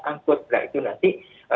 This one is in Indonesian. angkut nah itu nanti